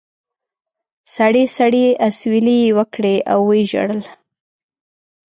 سړې سړې اسوېلې یې وکړې او و یې ژړل.